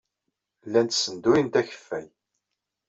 Llant ssenduyent akeffay.